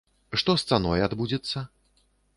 Што з цаной адбудзецца?